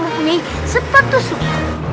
ini sepatu suhu